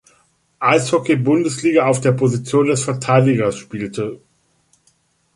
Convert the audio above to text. Eishockey-Bundesliga auf der Position des Verteidigers spielte.